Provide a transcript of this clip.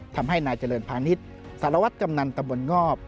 ทำให้นายเจริญพาณิชย์สารวัตรกำนันตะบนงอบ